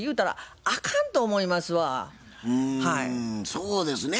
そうですね。